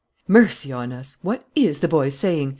"Mercy on us! What is the boy saying?"